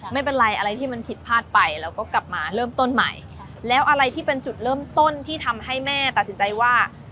ไม่เป็นไรอะไรที่มันผิดพลาดไปแล้วก็กลับมาเริ่มต้นใหม่แล้วอะไรที่เป็นจุดเริ่มต้นที่ทำให้แม่ตัดสินใจว่า